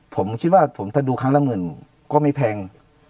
ผมคิดว่าผมถ้าดูครั้งละหมื่นก็ไม่แพง